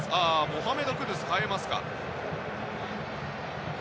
モハメド・クドゥス代えますか。